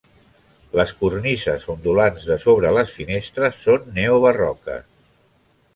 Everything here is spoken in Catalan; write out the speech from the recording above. Les cornises ondulants de sobre les finestres són neobarroques.